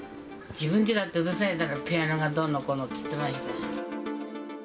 自分ちだってうるさいだろ、ピアノがどうのこうのっつってましたよ。